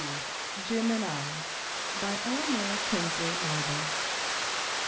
] JIM AND I. BY ELANORA KINSLEY MARBLE.